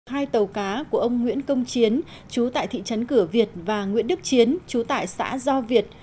hai tàu cá của ông nguyễn công chiến chú tại thị trấn cửa việt và nguyễn đức chiến chú tại xã do việt